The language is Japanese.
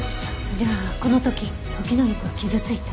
じゃあこの時トキノギクは傷ついた。